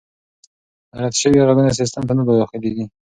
رد شوي ږغونه سیسټم ته نه داخلیږي.